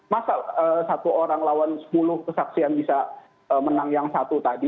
masa satu orang lawan sepuluh kesaksian bisa menang yang satu tadi